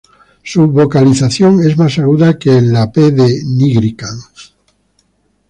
Su vocalización es más aguda que la de "P. nigricans".